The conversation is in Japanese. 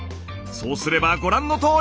そうすればご覧のとおり！